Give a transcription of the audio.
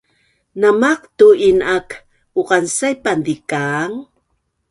Na maqtuin aak uqansaipan zikaang